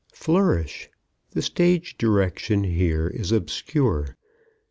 Flourish: The stage direction here is obscure.